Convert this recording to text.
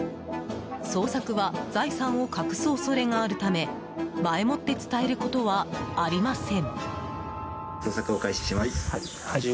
捜索は財産を隠す恐れがあるため前もって伝えることはありません。